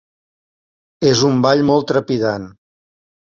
És un ball molt trepidant.